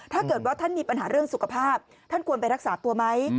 ถ้าเกิดว่าท่านมีปัญหาเรื่องสุขภาพท่านควรไปรักษาตัวไหม